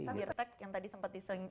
tapi reteck yang tadi sempat diseng